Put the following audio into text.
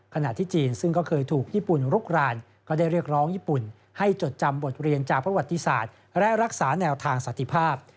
ขณะที่จีนซึ่งก็เคยถูกญี่ปุ่นลุกรานก็ได้เรียกร้องญี่ปุ่นให้จดจำบทเรียนจากประวัติศาสตร์และรักษาแนวทางสันติภาพ